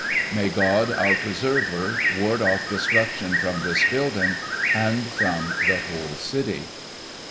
May God, our Preserver, ward off destruction from this building, and from the whole City."